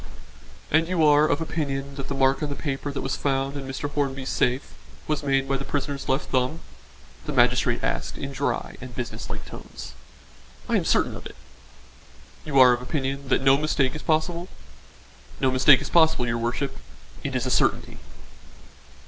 "And you are of opinion that the mark on the paper that was found in Mr. Hornby's safe, was made by the prisoner's left thumb?" the magistrate asked in dry and business like tones. "I am certain of it." "You are of opinion that no mistake is possible?" "No mistake is possible, your worship. It is a certainty."